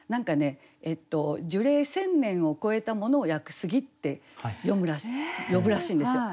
樹齢１，０００年を越えたものを屋久杉って呼ぶらしいんですよ。